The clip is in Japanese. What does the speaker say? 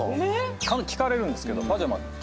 聞かれるんですけど。